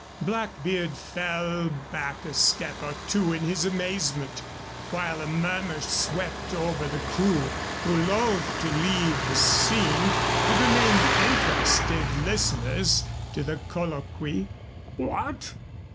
Blackbeard fell back a step or two in his amazement, while a murmur swept over the crew, who, loath to leave the scene, had remained interested listeners to the colloquy. "What!